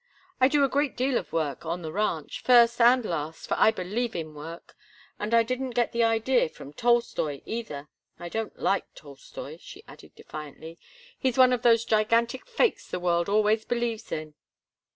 I do a great deal of work on the ranch, first and last, for I believe in work—and I didn't get the idea from Tolstoï, either. I don't like Tolstoï," she added, defiantly. "He's one of those gigantic fakes the world always believes in."